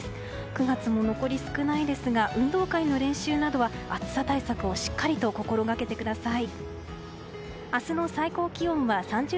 ９月も残り少ないですが運動会の練習などは暑さ対策をしっかりと心がけてください。